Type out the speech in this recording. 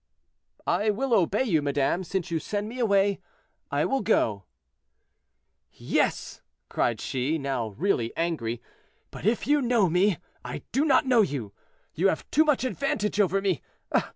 "I will obey you, madame; since you send me away, I will go." "Yes," cried she, now really angry, "but if you know me, I do not know you. You have too much advantage over me.